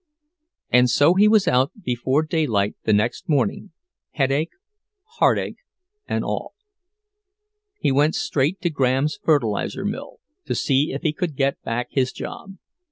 And so he was out before daylight the next morning, headache, heartache, and all. He went straight to Graham's fertilizer mill, to see if he could get back his job.